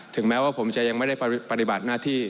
แม้ว่าผมจะยังไม่ได้ปฏิบัติหน้าที่